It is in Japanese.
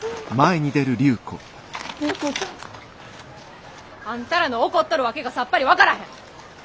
隆子ちゃん。あんたらの怒っとる訳がさっぱり分からへん。